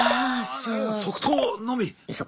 即答のみ。